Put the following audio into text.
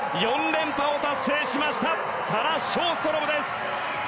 ４連覇を達成しましたサラ・ショーストロムです。